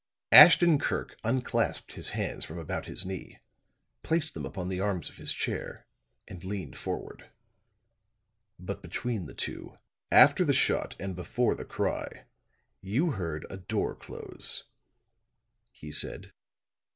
Ashton Kirk unclasped his hands from about his knee, placed them upon the arms of his chair and leaned forward. "But between the two after the shot, and before the cry, you heard a door close," he said.